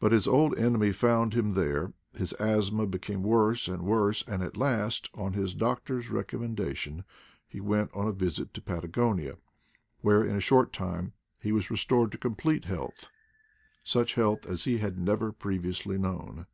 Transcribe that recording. But his old enemy found him there; his asthma became worse and worse, and at last, on his doctor's recommenda tion, he went on a visit to Patagonia, where in a short time he was restored to complete health such health as he had never previously known.